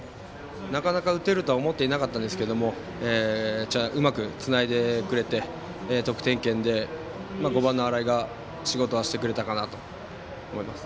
なかなか打てるとは思っていなかったんですけどうまくつないでくれて得点圏で５番の新井が仕事をしてくれたかなと思います。